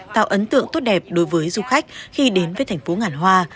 tạo ấn tượng tốt đẹp đối với du khách khi đến với thành phố ngàn hoa